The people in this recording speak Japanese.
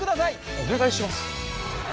お願いします。